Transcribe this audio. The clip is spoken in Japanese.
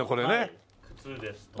靴ですとか。